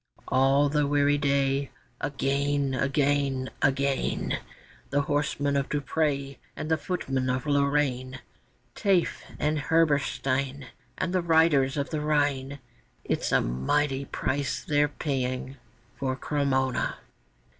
All the weary day, again, again, again, The horsemen of Duprés and the footmen of Lorraine, Taafe and Herberstein, And the riders of the Rhine; It's a mighty price they're paying for Cremona.